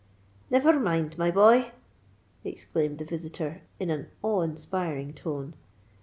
"Never mind, my boy," exclaimed the visitor in an awe inspiring tone.